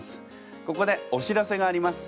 ここでお知らせがあります。